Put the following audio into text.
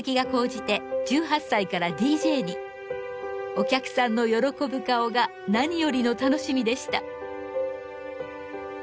お客さんの喜ぶ顔が何よりの楽しみでした。